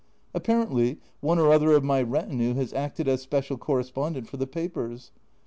Apparently one or other of my retinue has acted as special correspondent for the papers.